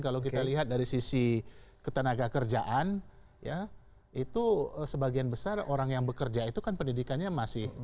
kalau kita lihat dari sisi ketenaga kerjaan ya itu sebagian besar orang yang bekerja itu kan pendidikannya masih